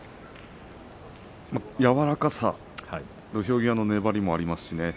やわらかさ土俵際の粘りもあります。